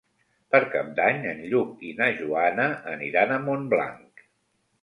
Per Cap d'Any en Lluc i na Joana aniran a Montblanc.